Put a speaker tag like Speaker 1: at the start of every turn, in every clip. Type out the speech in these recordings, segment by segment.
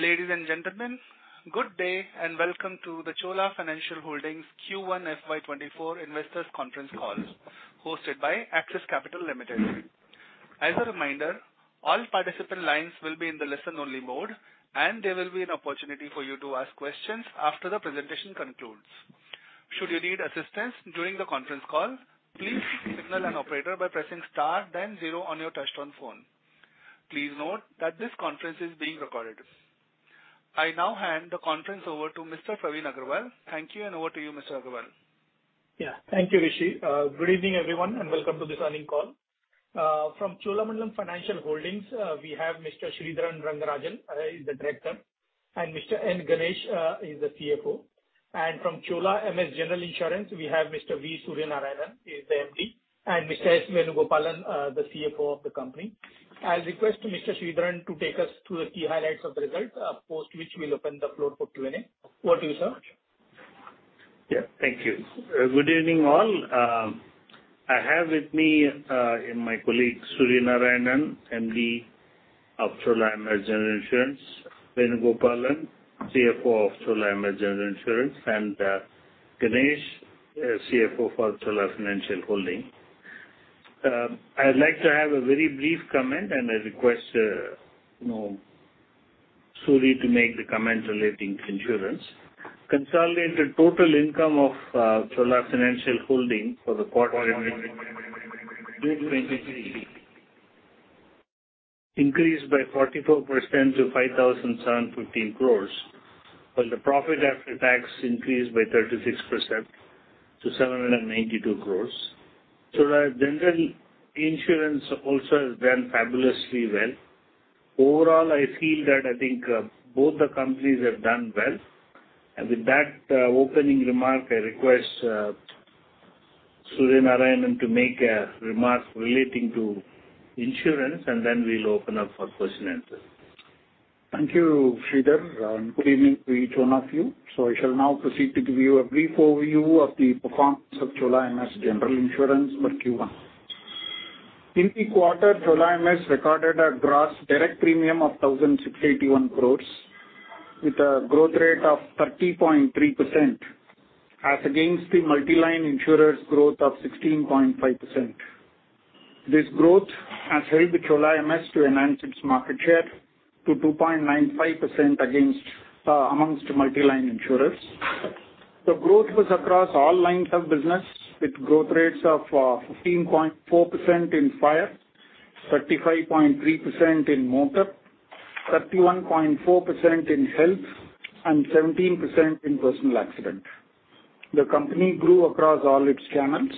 Speaker 1: Ladies and gentlemen, good day, welcome to the Chola Financial Holdings Q1 FY 2024 investors conference call, hosted by Axis Capital Limited. As a reminder, all participant lines will be in the listen-only mode, there will be an opportunity for you to ask questions after the presentation concludes. Should you need assistance during the conference call, please signal an operator by pressing star, then zero on your touchtone phone. Please note that this conference is being recorded. I now hand the conference over to Mr. Praveen Agarwal. Thank you, over to you, Mr. Agarwal.
Speaker 2: Yeah. Thank you, Rishi. Good evening, everyone, and welcome to this earnings call. From Cholamandalam Financial Holdings, we have Mr. Sridharan Rangarajan, he's the Director, and Mr. N. Ganesh, is the CFO. From Chola MS General Insurance, we have Mr. V. Suryanarayanan, he's the MD, and Mr. S. Venugopalan, the CFO of the company. I'll request Mr. Sridharan to take us through the key highlights of the results, post which we'll open the floor for Q&A. Over to you, sir.
Speaker 3: Yeah. Thank you. Good evening, all. I have with me, and my colleagues, Suryanarayanan, MD of Chola MS General Insurance, Venugopalan, CFO of Chola MS General Insurance, and Ganesh, CFO for Chola Financial Holdings. I'd like to have a very brief comment, and I request, you know, Suri to make the comment relating to insurance. Consolidated total income of Chola Financial Holdings for the quarter, June 2023, increased by 44% to 5,715 crore, while the profit after tax increased by 36% to 792 crore. Chola General Insurance also has done fabulously well. Overall, I feel that I think, both the companies have done well. With that, opening remark, I request, Suryanarayanan to make a remark relating to insurance, and then we'll open up for question-and-answer.
Speaker 4: Thank you, Sridhar. Good evening to each one of you. I shall now proceed to give you a brief overview of the performance of Chola MS General Insurance for Q1. In the quarter, Chola MS recorded a gross direct premium of 1,681 crore, with a growth rate of 30.3%, as against the multi-line insurers growth of 16.5%. This growth has helped Chola MS to enhance its market share to 2.95% amongst multi-line insurers. The growth was across all lines of business, with growth rates of 15.4% in Fire, 35.3% in Motor, 31.4% in Health, and 17% in Personal Accident. The company grew across all its channels.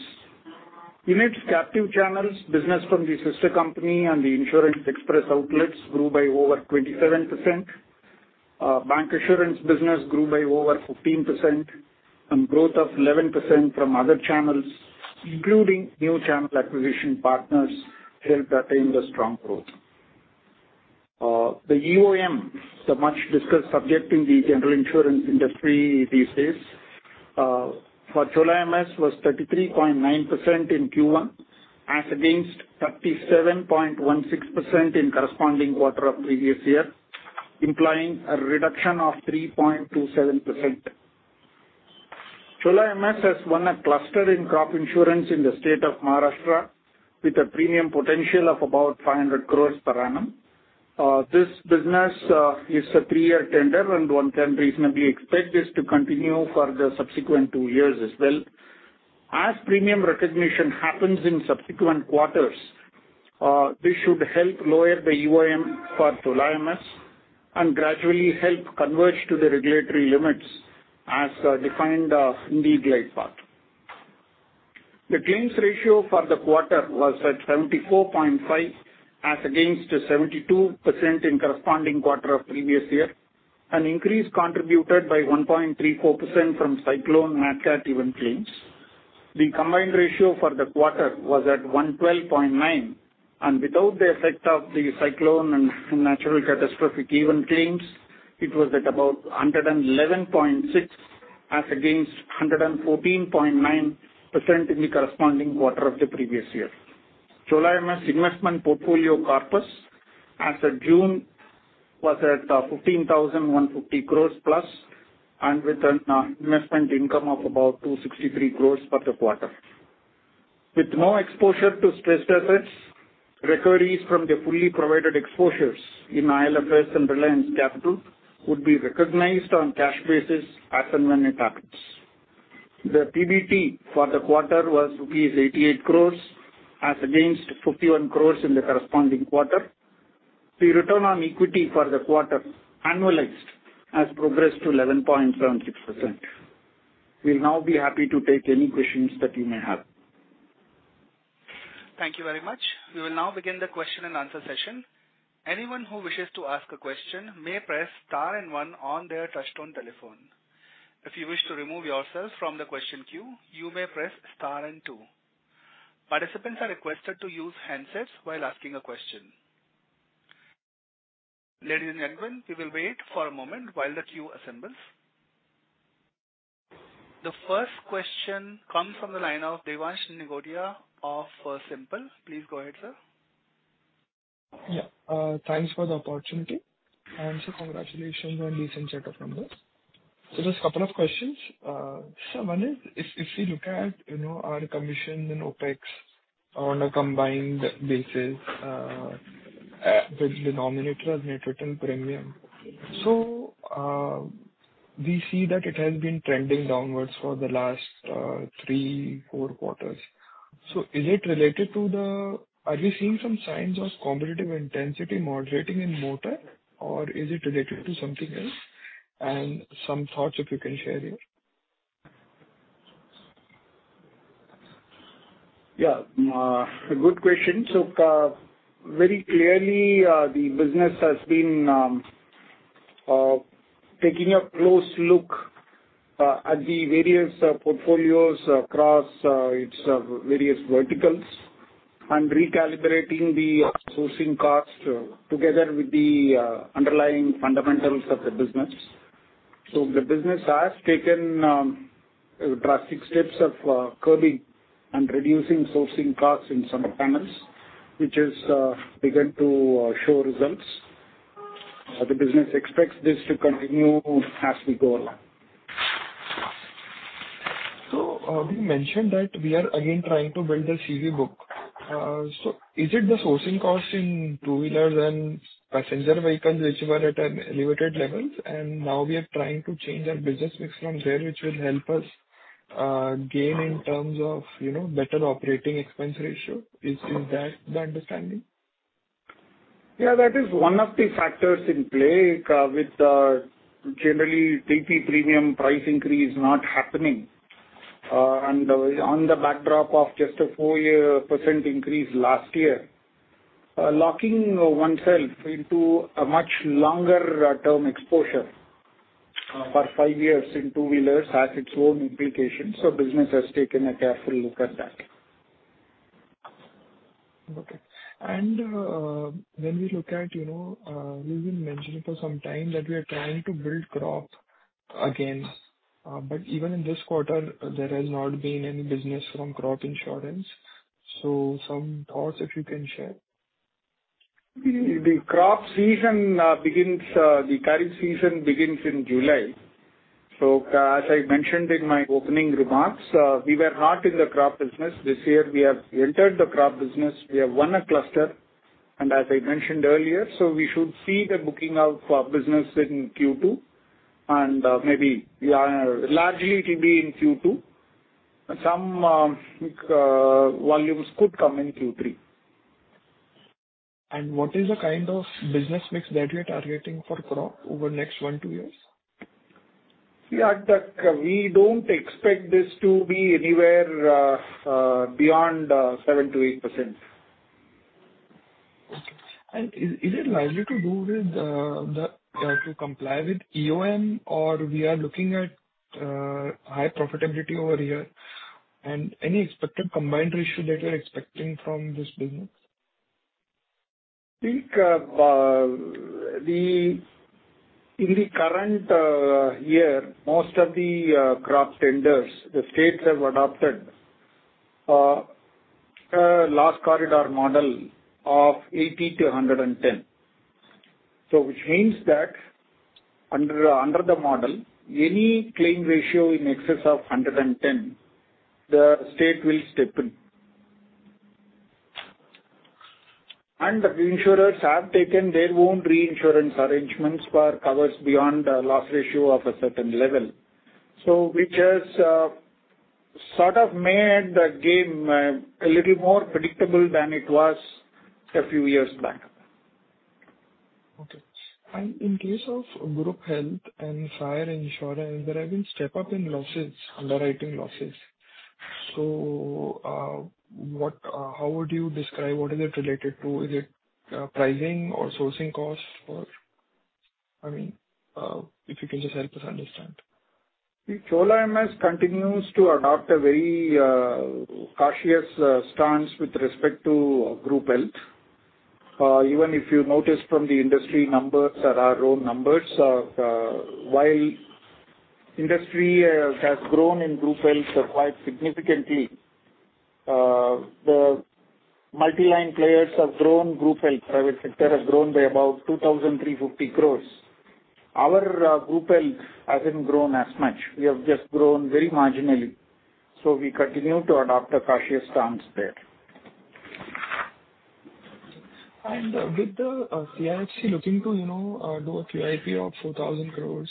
Speaker 4: In its captive channels, business from the sister company and the Insurance Express outlets grew by over 27%. Bancassurance business grew by over 15% and growth of 11% from other channels, including new channel acquisition partners, helped attain the strong growth. The EOM, the much-discussed subject in the general insurance industry these days, for Chola MS was 33.9% in Q1, as against 37.16% in corresponding quarter of previous year, implying a reduction of 3.27%. Chola MS has won a cluster in crop insurance in the state of Maharashtra, with a premium potential of about 500 crore per annum. This business is a three-year tender, and one can reasonably expect this to continue for the subsequent two years as well. As premium recognition happens in subsequent quarters, this should help lower the EOM for Chola MS and gradually help converge to the regulatory limits as defined in the glide path. The claims ratio for the quarter was at 74.5%, as against 72% in corresponding quarter of previous year, an increase contributed by 1.34% from cyclone natural event claims. The combined ratio for the quarter was at 112.9, and without the effect of the cyclone and natural catastrophic event claims, it was at about 111.6, as against 114.9% in the corresponding quarter of the previous year. Chola MS investment portfolio corpus as at June, was at 15,150 crore plus, and with an investment income of about 263 crore for the quarter. With no exposure to stressed assets, recoveries from the fully provided exposures in IL&FS and Reliance Capital would be recognized on cash basis as and when it happens. The PBT for the quarter was rupees 88 crore, as against 51 crore in the corresponding quarter. The return on equity for the quarter, annualized, has progressed to 11.76%. We'll now be happy to take any questions that you may have.
Speaker 1: Thank you very much. We will now begin the question-and-answer session. Anyone who wishes to ask a question may press star and 1 on their touchtone telephone. If you wish to remove yourself from the question queue, you may press star and 2. Participants are requested to use handsets while asking a question. Ladies and gentlemen, we will wait for a moment while the queue assembles. The first question comes from the line of Devansh Nigotia of Simpl. Please go ahead, sir.
Speaker 5: Yeah. Thanks for the opportunity. Congratulations on decent set of numbers. Just a couple of questions. One is, if, if we look at, you know, our commission and OpEx on a combined basis, the denominator of net written premium. We see that it has been trending downwards for the last three, four quarters. Is it related to? Are we seeing some signs of competitive intensity moderating in Motor, or is it related to something else? Some thoughts, if you can share here.
Speaker 4: Yeah, a good question. Very clearly, the business has been taking a close look at the various portfolios across its various verticals and recalibrating the sourcing cost together with the underlying fundamentals of the business. The business has taken drastic steps of curbing and reducing sourcing costs in some panels, which is begun to show results. The business expects this to continue as we go along.
Speaker 5: We mentioned that we are again trying to build a CV book. Is it the sourcing cost in two-wheeler and passenger vehicles, which were at an elevated levels, and now we are trying to change our business mix from there, which will help us, gain in terms of, you know, better operating expense ratio? Is that the understanding?
Speaker 4: Yeah, that is one of the factors in play, with, generally, TP premium price increase not happening, and on the backdrop of just a 4% increase last year. Locking oneself into a much longer-term exposure for five years in two-wheelers has its own implications, so business has taken a careful look at that.
Speaker 5: Okay. When we look at, you know, we've been mentioning for some time that we are trying to build crop again, but even in this quarter, there has not been any business from crop insurance. Some thoughts if you can share.
Speaker 4: The crop season begins, the kharif season begins in July. As I mentioned in my opening remarks, we were not in the crop business. This year, we have entered the crop business. We have won a cluster, and as I mentioned earlier, we should see the booking of business in Q2, and maybe largely it will be in Q2. Some volumes could come in Q3.
Speaker 5: What is the kind of business mix that we are targeting for crop over the next one, two years?
Speaker 4: Yeah, that we don't expect this to be anywhere, beyond, 7%-8%.
Speaker 5: Okay. Is, is it likely to do with, the, to comply with EOM or we are looking at, high profitability over here? Any expected combined ratio that you're expecting from this business?
Speaker 4: Think, the, in the current year, most of the crop tenders, the states have adopted a loss-corridor model of 80% to 110%. Which means that under, under the model, any claim ratio in excess of 110, the state will step in. The insurers have taken their own reinsurance arrangements for covers beyond the loss ratio of a certain level. Which has sort of made the game a little more predictable than it was a few years back.
Speaker 5: Okay. In case of Group Health and Fire insurance, there has been step up in losses, underwriting losses. What, how would you describe what is it related to? Is it pricing or sourcing cost or, I mean, if you can just help us understand?
Speaker 4: Chola MS continues to adopt a very, cautious, stance with respect to Group Health. Even if you notice from the industry numbers or our own numbers, while industry has grown in Group Health quite significantly, the multi-line players have grown Group Health. Private sector has grown by about 2,350 crore. Our Group Health hasn't grown as much. We have just grown very marginally, so we continue to adopt a cautious stance there.
Speaker 5: With the CIFC looking to, you know, do a QIP of 4,000 crore,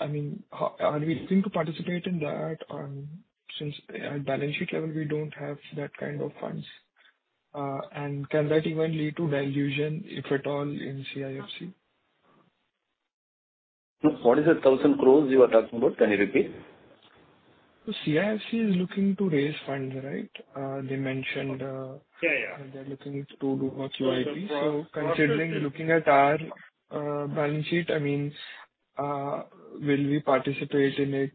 Speaker 5: I mean, how are we looking to participate in that? Since at balance sheet level, we don't have that kind of funds. Can that even lead to dilution, if at all, in CIFC?
Speaker 4: What is the 1,000 crore you are talking about? Can you repeat?
Speaker 5: CIFC is looking to raise funds, right? They mentioned, -
Speaker 4: Yeah. Yeah.
Speaker 5: They're looking to do a QIP. Considering looking at our balance sheet, I mean, will we participate in it?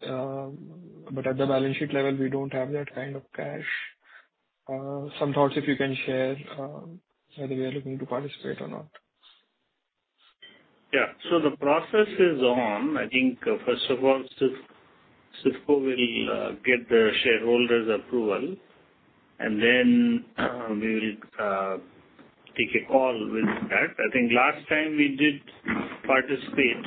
Speaker 5: But at the balance sheet level, we don't have that kind of cash. Some thoughts, if you can share, whether we are looking to participate or not.
Speaker 4: Yeah, so the process is on. I think, first of all, CIFC will get the shareholders approval, and then we will take a call with that. I think last time we did participate,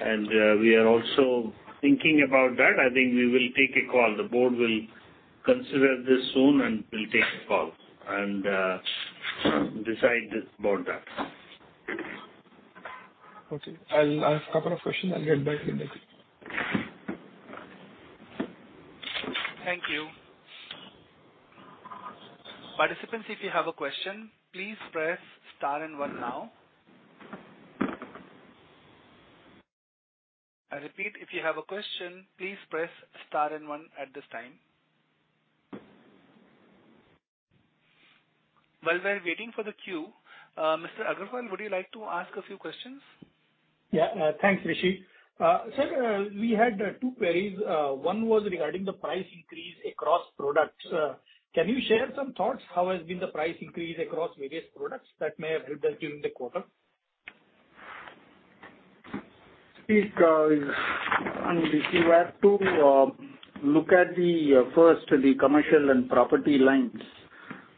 Speaker 4: and we are also thinking about that. I think we will take a call. The board will consider this soon, and we'll take a call and decide about that.
Speaker 5: Okay. I have a couple of questions. I'll get back to you next.
Speaker 1: Thank you. Participants, if you have a question, please press star and one now. I repeat, if you have a question, please press star and one at this time. While we're waiting for the queue, Mr. Agarwal, would you like to ask a few questions?
Speaker 2: Yeah. Thanks, Rishi. Sir, we had 2 queries. One was regarding the price increase across products. Can you share some thoughts? How has been the price increase across various products that may have helped us during the quarter?
Speaker 4: See, and if you have to look at the first, the commercial and property lines,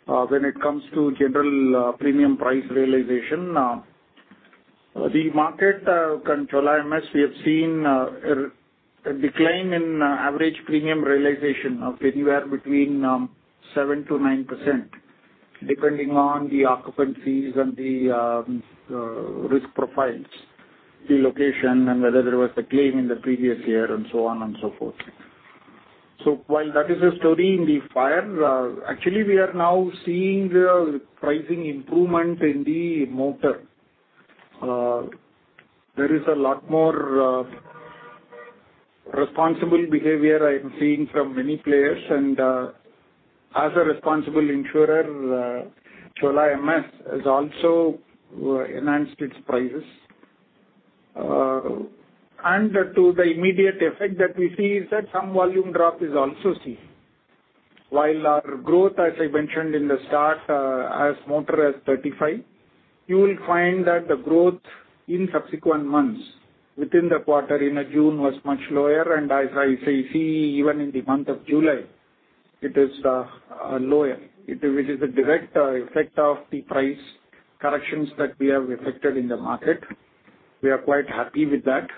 Speaker 4: when it comes to general, premium price realization, the market, Chola MS, we have seen a decline in average premium realization of anywhere between 7%-9%, depending on the occupancies and the risk profiles, the location, and whether there was a claim in the previous year and so on and so forth. While that is a story in the Fire, actually, we are now seeing the pricing improvement in the Motor. There is a lot more responsible behavior I am seeing from many players, and as a responsible insurer, Chola MS has also enhanced its prices. To the immediate effect that we see is that some volume drop is also seen. While our growth, as I mentioned in the start, as Motor is 35, you will find that the growth in subsequent months within the quarter in June was much lower. As I say, see, even in the month of July, it is lower. It is a direct effect of the price corrections that we have effected in the market. We are quite happy with that.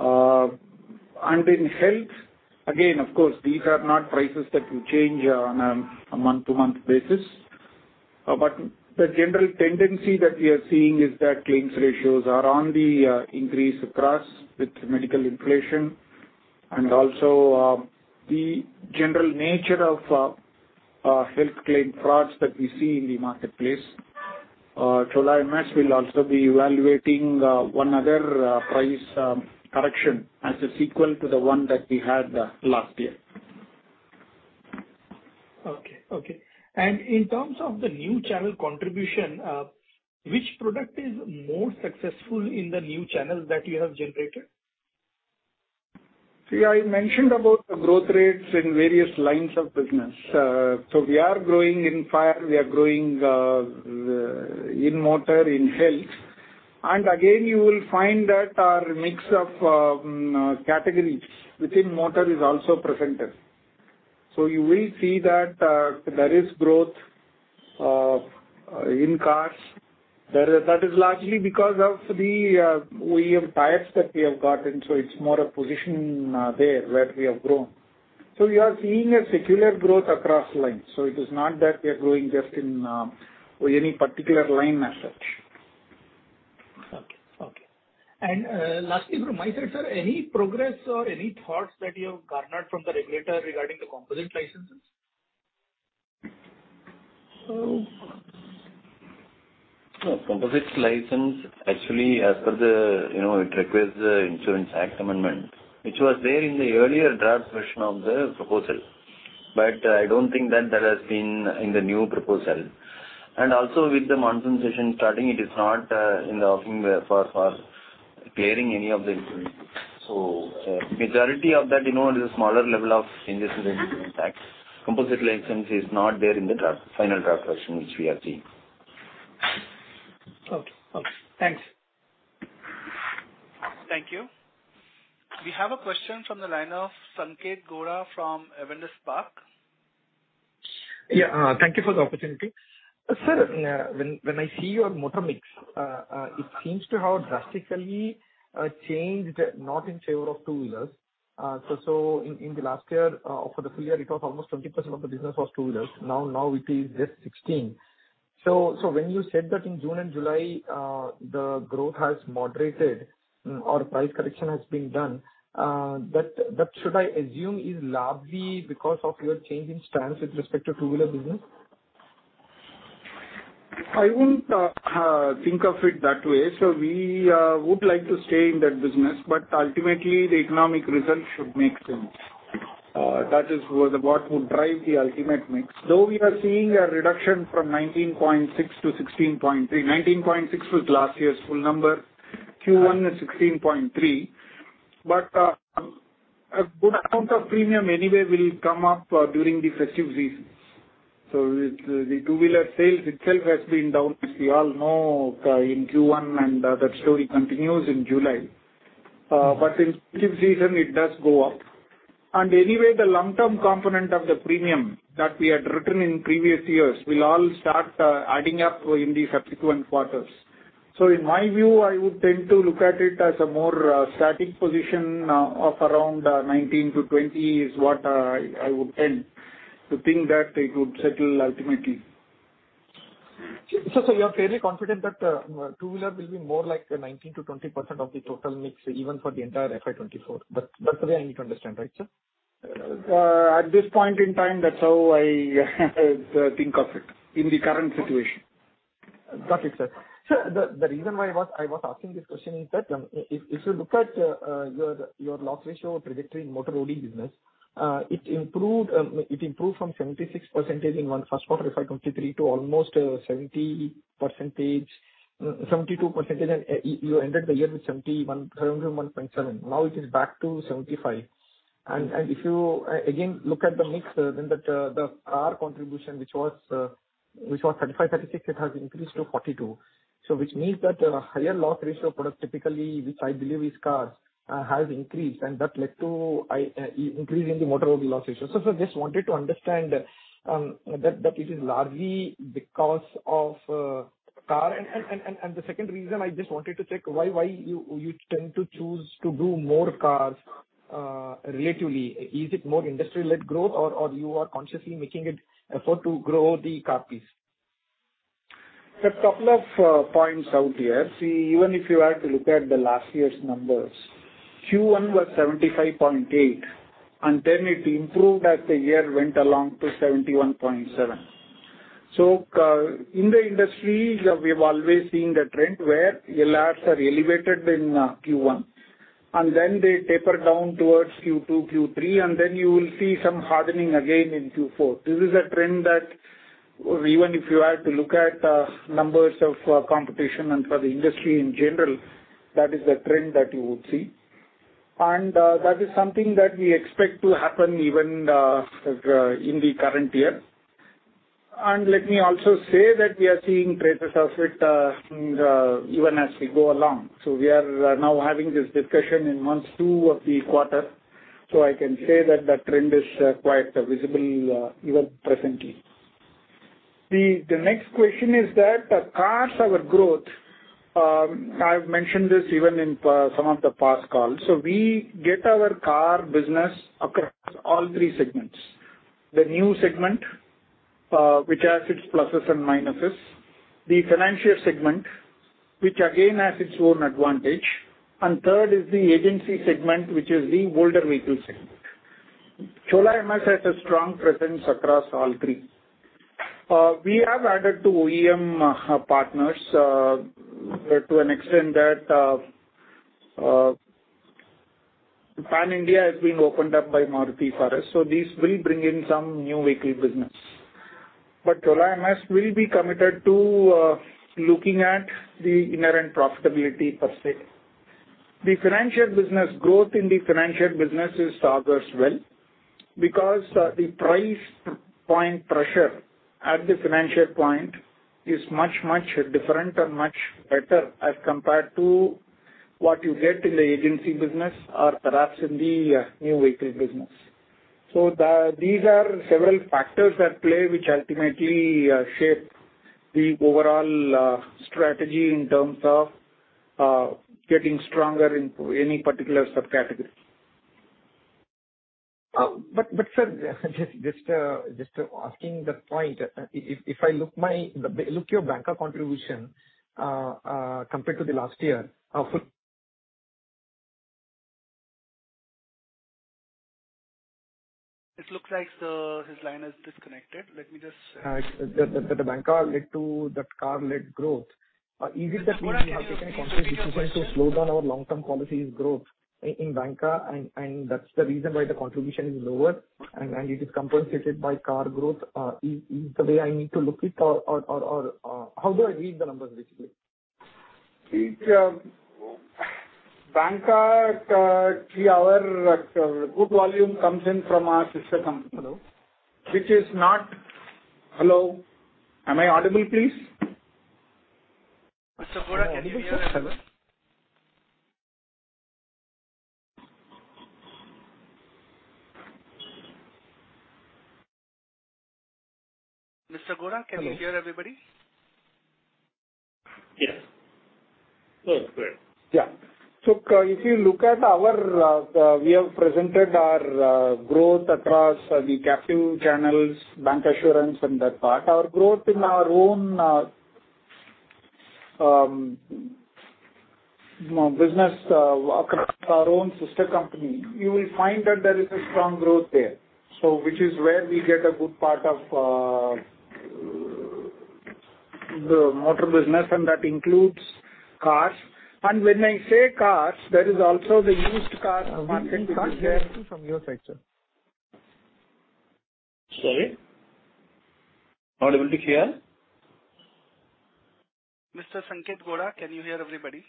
Speaker 4: In Health, again, of course, these are not prices that will change on a month-to-month basis. But the general tendency that we are seeing is that claims ratios are on the increase across with medical inflation and also, the general nature of health claim frauds that we see in the marketplace. Chola MS will also be evaluating one other price correction as a sequel to the one that we had last year.
Speaker 2: Okay, okay. In terms of the new channel contribution, which product is more successful in the new channels that you have generated?
Speaker 4: See, I mentioned about the growth rates in various lines of business. We are growing in Fire, we are growing in Motor, in Health, and again, you will find that our mix of categories within Motor is also presented. You will see that there is growth in cars. That is, that is largely because of the OEM tires that we have gotten, so it's more a position there where we have grown. We are seeing a secular growth across lines. It is not that we are growing just in any particular line as such.
Speaker 2: Okay, okay. Lastly, from my side, sir, any progress or any thoughts that you have garnered from the regulator regarding the composite licenses?
Speaker 4: So-
Speaker 6: No, composite license, actually, as per the, you know, it requires the Insurance Act amendment, which was there in the earlier draft version of the proposal. I don't think that that has been in the new proposal. Also with the monsoon session starting, it is not in the offering there for, for clearing any of the instruments. Majority of that, you know, is a smaller level of changes in the Insuarnce Act. Composite license is not there in the draft, final draft version, which we have seen.
Speaker 2: Okay. Okay, thanks.
Speaker 1: Thank you. We have a question from the line of Sanket Gora from Spark Capital.
Speaker 7: Yeah, thank you for the opportunity. Sir, when, when I see your Motor mix, it seems to have drastically changed, not in favor of two-wheelers. In, in the last year, for the full year, it was almost 20% of the business was two-wheelers. Now, now it is just 16. When you said that in June and July, the growth has moderated or price correction has been done, that, that should I assume, is largely because of your change in stance with respect to two-wheeler business?
Speaker 4: I wouldn't think of it that way. We would like to stay in that business, but ultimately the economic results should make sense. That is what, what would drive the ultimate mix. Though we are seeing a reduction from 19.6 to 16.3, 19.6 was last year's full number, Q1 is 16.3. A good amount of premium anyway will come up during the festive seasons. The two-wheeler sales itself has been down, as we all know, in Q1, and that story continues in July. In season it does go up. Anyway, the long-term component of the premium that we had written in previous years will all start adding up in the subsequent quarters. In my view, I would tend to look at it as a more static position, of around 19-20 is what I, I would tend to think that it would settle ultimately.
Speaker 7: Sir, you are fairly confident that two-wheeler will be more like a 19%-20% of the total mix, even for the entire FY 2024. That's, that's the way I need to understand, right, sir?
Speaker 4: At this point in time, that's how I think of it in the current situation.
Speaker 7: Got it, sir. Sir, the reason why I was asking this question is that, if you look at your loss ratio trajectory in Motor rolling business, it improved, it improved from 76% in 1st quarter, FY 2023, to almost 70%, 72%, and you ended the year with 71.7. Now it is back to 75. If you again look at the mix, then the car contribution, which was 35, 36, it has increased to 42. Which means that a higher loss ratio product, typically, which I believe is cars, has increased, and that led to increase in the Motor vehicle loss ratio. Just wanted to understand that it is largely because of car. The second reason I just wanted to check why you tend to choose to do more cars relatively. Is it more industry-led growth or you are consciously making it effort to grow the car piece?
Speaker 4: A couple of points out here. See, even if you were to look at the last year's numbers, Q1 was 75.8, and then it improved as the year went along to 71.7. In the industry, we have always seen the trend where the labs are elevated in Q1, and then they taper down towards Q2, Q3, and then you will see some hardening again in Q4. This is a trend that even if you were to look at numbers of competition and for the industry in general, that is the trend that you would see. That is something that we expect to happen even in the current year. Let me also say that we are seeing traces of it in the... even as we go along. We are now having this discussion in month two of the quarter. I can say that the trend is quite visible even presently. The, the next question is that the cars, our growth, I've mentioned this even in some of the past calls. We get our car business across all three segments. The new segment, which has its pluses and minuses, the financial segment, which again, has its own advantage, and third is the agency segment, which is the older vehicle segment. Chola MS has a strong presence across all three. We have added to OEM partners to an extent that pan-India has been opened up by Maruti for us, this will bring in some new weekly business. Chola MS will be committed to looking at the inherent profitability per se. The financial business, growth in the financial business is staggered as well, because the price point pressure at the financial point is much, much different and much better as compared to what you get in the agency business or perhaps in the new-vehicle business. These are several factors at play, which ultimately shape the overall strategy in terms of getting stronger in any particular subcategory.
Speaker 7: But, but, sir, just, just asking the point, if, if I look my-- look your banker contribution, compared to the last year, for-
Speaker 1: It looks like the, his line is disconnected. Let me just.
Speaker 7: The, the banker led to the car-led growth. Is it that we have taken a conscious decision to slow down our long-term policies growth in banker, and, and that's the reason why the contribution is lower, and, and it is compensated by car growth? Is, is the way I need to look it, or, or, or, or, how do I read the numbers, basically?
Speaker 4: It, banker, our, good volume comes in from our sister company-
Speaker 1: Hello?
Speaker 4: which is not... Hello, am I audible, please?
Speaker 1: Mr. Gora, can you hear us?
Speaker 8: Hello, sir. Hello.
Speaker 1: Mr. Gora, can you hear everybody?
Speaker 4: Yes.
Speaker 1: Oh, great.
Speaker 4: Yeah. If you look at our, we have presented our growth across the captive channels, bancassurance, and that part. Our growth in our own business, across our own sister company, you will find that there is a strong growth there. Which is where we get a good part of the Motor business, and that includes cars. When I say cars, there is also the used-car market there.
Speaker 7: From your side, sir.
Speaker 4: Sorry? Audible to hear?
Speaker 1: Mr. Sanket Gora, can you hear everybody?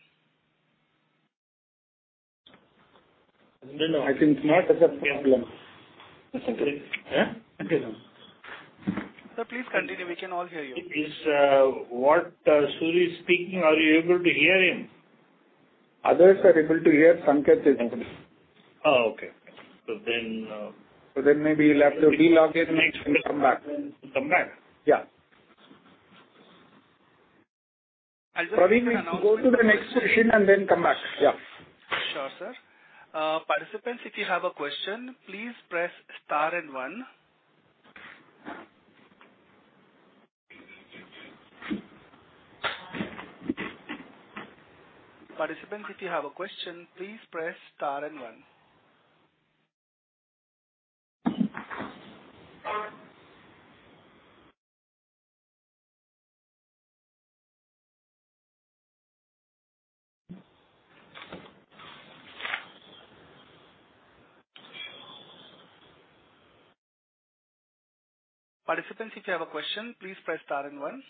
Speaker 4: No, no, I think there's a problem.
Speaker 9: Eh?
Speaker 1: Sir, please continue. We can all hear you.
Speaker 4: Please, what Sury is speaking, are you able to hear him?
Speaker 9: Others are able to hear Sanket.
Speaker 4: Oh, okay.
Speaker 9: Then maybe you'll have to relog in and come back.
Speaker 4: Come back?
Speaker 9: Yeah. Probably we go to the next question and then come back. Yeah.
Speaker 1: Sure, sir. Participants, if you have a question, please press star and one. Participants, if you have a question, please press star and one. Participants, if you have a question, please press star and one.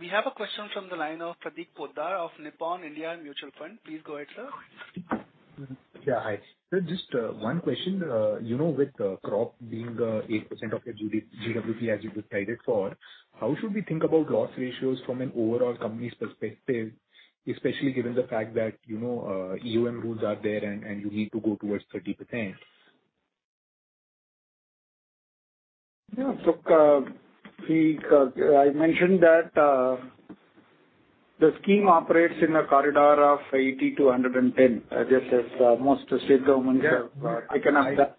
Speaker 1: We have a question from the line of Pratik Poddar of Nippon India Mutual Fund. Please go ahead, sir.
Speaker 10: Yeah, hi. Sir, just one question. You know, with crop being 8% of your GWP as you decided for, how should we think about loss ratios from an overall company's perspective, especially given the fact that, you know, EOM rules are there and you need to go towards 30%?
Speaker 4: Yeah, look, I mentioned that, the scheme operates in a corridor of 80% to 110%, just as most state governments have taken up that.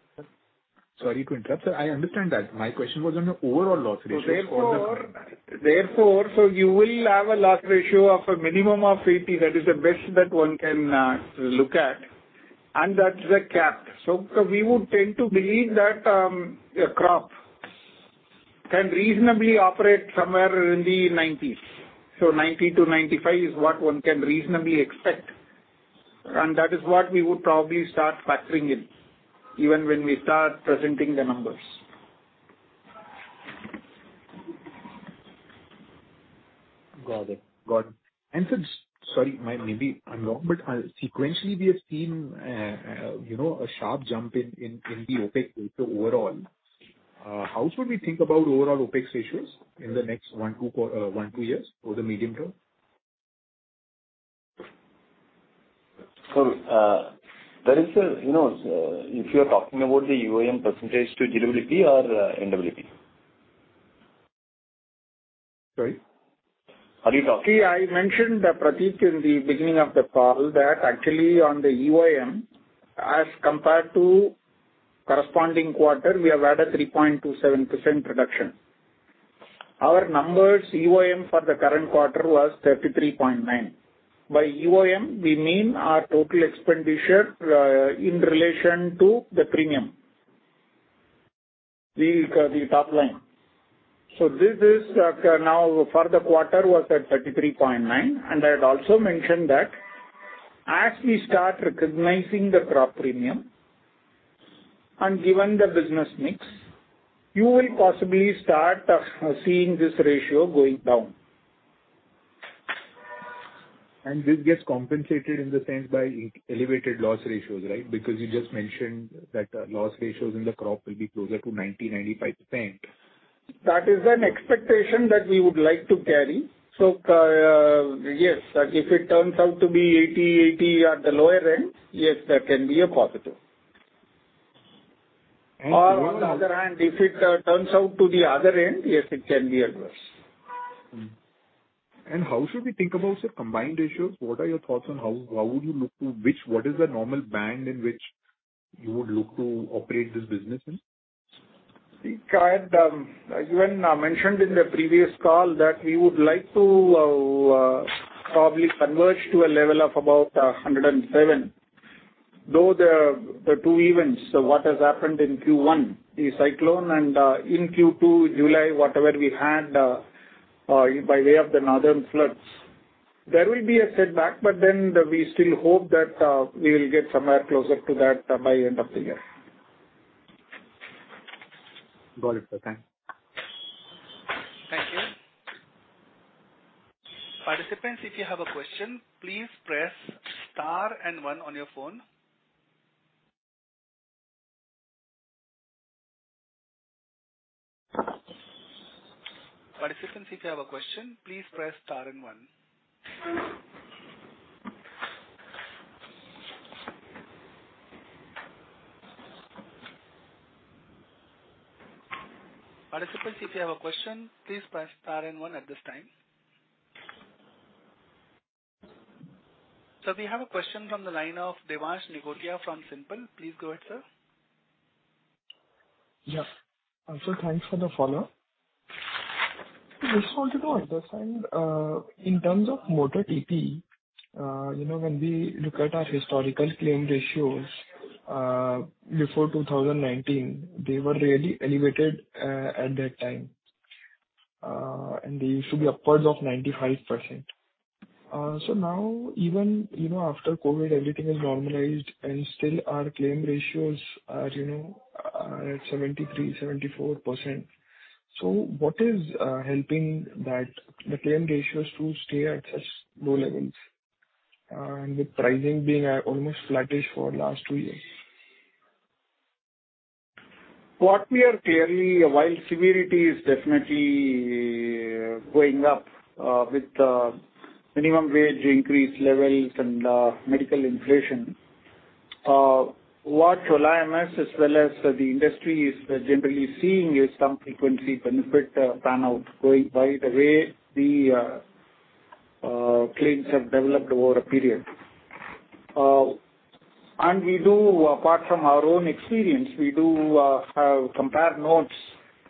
Speaker 10: Sorry to interrupt, sir. I understand that. My question was on the overall loss ratio.
Speaker 4: Therefore, you will have a loss ratio of a minimum of 80%. That is the best that one can look at, and that's the cap. We would tend to believe that a crop can reasonably operate somewhere in the 90s. 90%-95% is what one can reasonably expect, and that is what we would probably start factoring in even when we start presenting the numbers.
Speaker 10: Got it. Got it. Sorry, maybe I'm wrong, but sequentially, we have seen, you know, a sharp jump in the OpEx ratio overall. How should we think about overall OpEx ratios in the next one, two qua, one, two years or the medium-term?
Speaker 9: There is a, you know, if you are talking about the EOM percentage to GWP or NWP?
Speaker 10: Sorry.
Speaker 9: Are you talking-
Speaker 4: See, I mentioned, Pratik, in the beginning of the call that actually on the EOM, as compared to corresponding quarter, we have had a 3.27% reduction. Our numbers, EOM, for the current quarter was 33.9. By EOM, we mean our total expenditure in relation to the premium, the top-line. This is now for the quarter was at 33.9, and I had also mentioned that as we start recognizing the crop premium and given the business mix, you will possibly start seeing this ratio going down.
Speaker 10: This gets compensated in the sense by elevated loss ratios, right? Because you just mentioned that, loss ratios in the crop will be closer to 90%-95%.
Speaker 4: That is an expectation that we would like to carry. Yes, if it turns out to be 80, 80 at the lower end, yes, that can be a positive. On the other hand, if it turns out to the other end, yes, it can be adverse.
Speaker 10: How should we think about the combined ratios? What are your thoughts on how, how would you look to what is the normal band in which you would look to operate this business in?
Speaker 4: I think I had even mentioned in the previous call that we would like to probably converge to a level of about 107, though the two events, so what has happened in Q1, the cyclone and in Q2, July, whatever we had by way of the northern floods. There will be a setback, but then we still hope that we will get somewhere closer to that by end of the year.
Speaker 10: Got it, sir. Thanks.
Speaker 1: Thank you. Participants, if you have a question, please press star and one on your phone. Participants, if you have a question, please press star and one. Participants, if you have a question, please press star and one at this time. Sir, we have a question from the line of Devansh Nigotia from Simpl. Please go ahead, sir.
Speaker 5: Yes. Also, thanks for the follow-up. I just wanted to understand, in terms of Motor TP, you know, when we look at our historical claim ratios, before 2019, they were really elevated at that time, and they used to be upwards of 95%. Now even, you know, after COVID, everything is normalized, and still our claim ratios are, you know, 73%-74%. What is helping that, the claim ratios to stay at such low levels, and with pricing being almost flattish for last two years?
Speaker 4: What we are clearly, while severity is definitely going up, with minimum wage increase levels and medical inflation, what Chola MS as well as the industry is generally seeing is some frequency benefit, pan out going by the way the claims have developed over a period. We do, apart from our own experience, we do have compare notes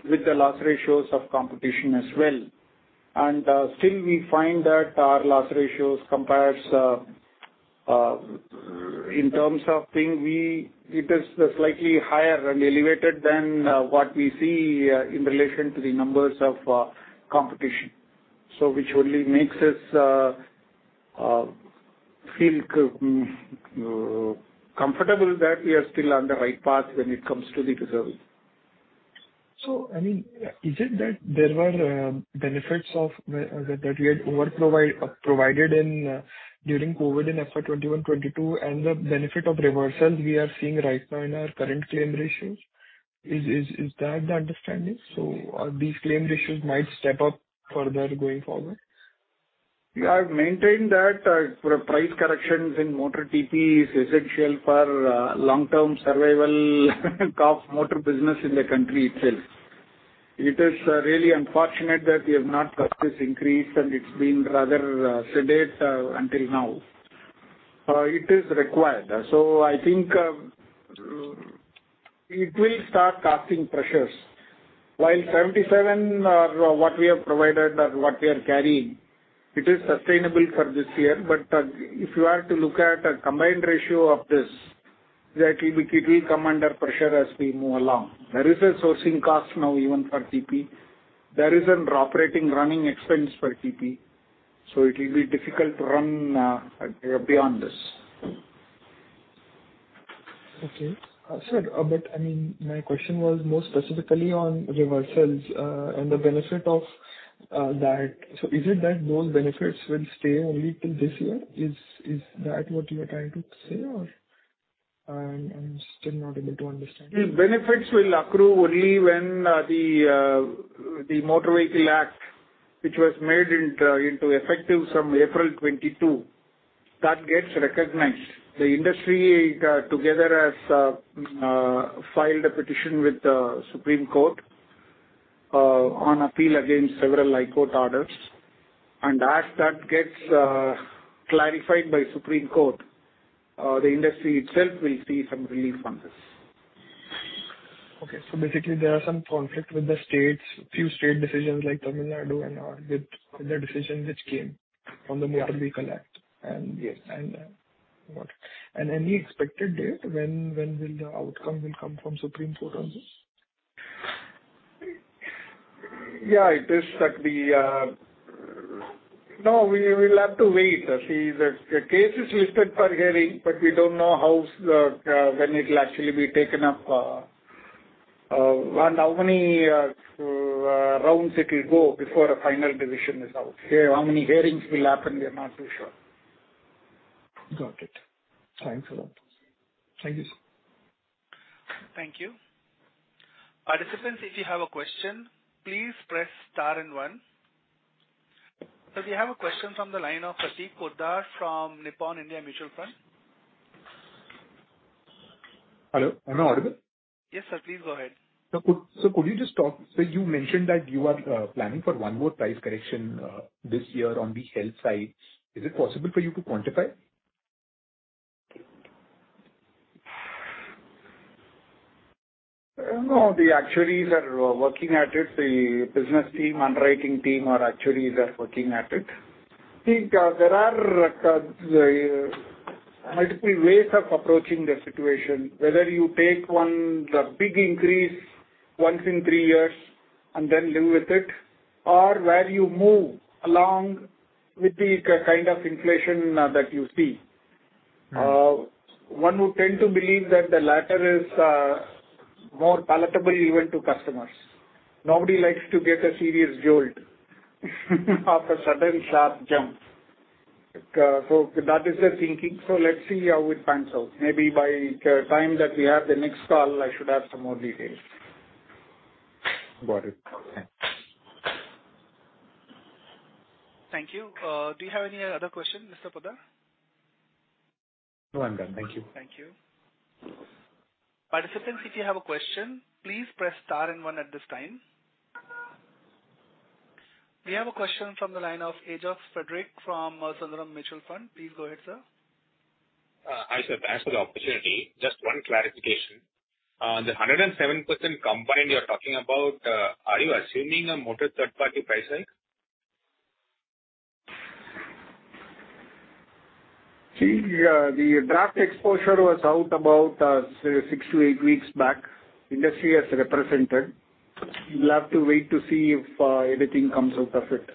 Speaker 4: with the loss ratios of competition as well. Still we find that our loss ratios compares in terms of thing, it is slightly higher and elevated than what we see in relation to the numbers of competition. Which only makes us feel comfortable that we are still on the right path when it comes to the reserves.
Speaker 5: I mean, is it that there were benefits of the, that we had provided in, during COVID in FY 2021, 2022, and the benefit of reversals we are seeing right now in our current claim ratios? Is that the understanding? These claim ratios might step up further going forward.
Speaker 4: We have maintained that for price corrections in Motor TP is essential for long-term survival of Motor business in the country itself. It is really unfortunate that we have not got this increase, and it's been rather sedate until now. It is required. I think it will start casting pressures. While 77% are what we have provided or what we are carrying, it is sustainable for this year. If you are to look at a combined ratio of this, that it will, it will come under pressure as we move along. There is a sourcing cost now, even for TP. There is an operating running expense for TP, it will be difficult to run beyond this.
Speaker 5: Okay. Sir, I mean, my question was more specifically on reversals and the benefit of that. Is it that those benefits will stay only till this year? Is that what you are trying to say, or? I'm still not able to understand.
Speaker 4: The benefits will accrue only when, the, the Motor Vehicles Act, which was made into, into effective from April 22, that gets recognized. The industry, together has, filed a petition with the Supreme Court, on appeal against several high court orders. As that gets, clarified by Supreme Court, the industry itself will see some relief on this.
Speaker 5: Okay. Basically, there are some conflict with the states, a few state decisions like Tamil Nadu and, or with the decision which came from the Motor Vehicle Act.
Speaker 4: Yes.
Speaker 5: Any expected date when, when will the outcome will come from Supreme Court on this?
Speaker 4: Yeah, it is that the. We will have to wait to see. The case is listed for hearing, but we don't know how when it'll actually be taken up and how many rounds it will go before a final decision is out. How many hearings will happen, we are not too sure.
Speaker 5: Got it. Thanks a lot. Thank you, sir.
Speaker 1: Thank you. Participants, if you have a question, please press star and one. We have a question from the line of Pratik Poddar from Nippon India Mutual Fund.
Speaker 10: Hello, am I audible?
Speaker 1: Yes, sir, please go ahead.
Speaker 10: You mentioned that you are planning for one more price correction this year on the Health side. Is it possible for you to quantify?
Speaker 4: No, the actuaries are working at it. The business team, underwriting team, or actuaries are working at it. I think, there are multiple ways of approaching the situation, whether you take one, the big increase once in three years and then live with it, or where you move along with the kind of inflation, that you see.
Speaker 10: Right.
Speaker 4: One would tend to believe that the latter is more palatable even to customers. Nobody likes to get a serious jolt, of a sudden sharp jump. That is the thinking, so let's see how it pans out. Maybe by the time that we have the next call, I should have some more details.
Speaker 10: Got it. Thanks.
Speaker 1: Thank you. Do you have any other questions, Mr. Poddar?
Speaker 10: No, I'm done. Thank you.
Speaker 1: Thank you. Participants, if you have a question, please press star and one at this time. We have a question from the line of Ajox Frederick from Sundaram Mutual Fund. Please go ahead, sir.
Speaker 11: Hi, sir. Thanks for the opportunity. Just one clarification. The 107% combined you're talking about, are you assuming a Motor third-party price hike?
Speaker 4: See, the draft exposure was out about six to eight weeks back. Industry has represented. We'll have to wait to see if anything comes out of it.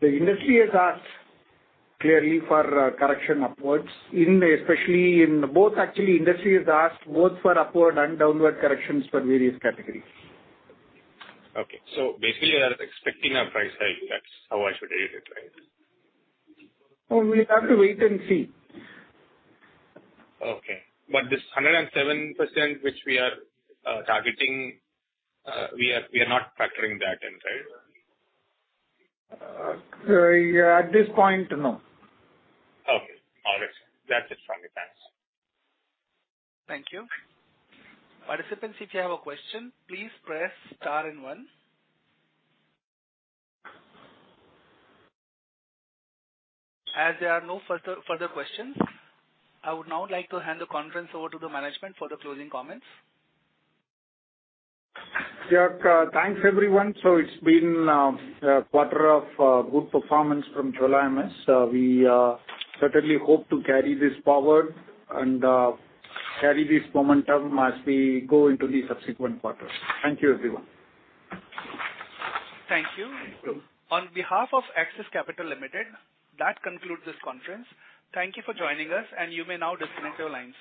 Speaker 4: The industry has asked clearly for a correction upwards, in especially in both, actually, industry has asked both for upward and downward corrections for various categories.
Speaker 11: Okay. Basically, you are expecting a price hike, that's how I should read it, right?
Speaker 4: Oh, we have to wait and see.
Speaker 11: Okay. This 107%, which we are, targeting, we are, we are not factoring that in, right?
Speaker 4: At this point, no.
Speaker 11: Okay. All right. That's it from me. Thanks.
Speaker 1: Thank you. Participants, if you have a question, please press star and 1. As there are no further, further questions, I would now like to hand the conference over to the management for the closing comments.
Speaker 4: Yeah, thanks, everyone. It's been a quarter of good performance from Chola MS. We certainly hope to carry this forward and carry this momentum as we go into the subsequent quarters. Thank you, everyone.
Speaker 1: Thank you. On behalf of Axis Capital Limited, that concludes this conference. Thank you for joining us, and you may now disconnect your lines.